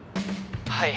はい。